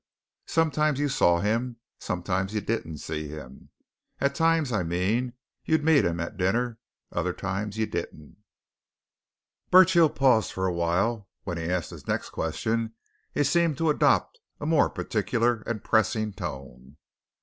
Sometimes, you saw him; sometimes, you didn't see him. At times, I mean, you'd meet him at dinner other times, you didn't." Burchill paused for a while; when he asked his next question he seemed to adopt a more particular and pressing tone.